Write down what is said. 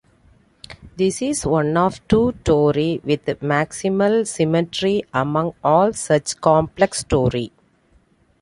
This is one of two tori with maximal symmetry among all such complex tori.